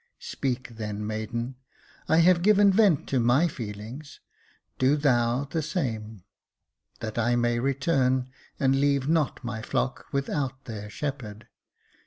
Speak, then maiden. I have given vent to my feelings, do thou the same, that I may return, and leave not my flock without their shepherd.